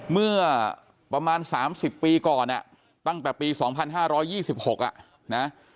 เมื่อประมาณสามสิบปีก่อนอ่ะตั้งแต่ปีสองพันห้าร้อยยี่สิบหกอ่ะนะ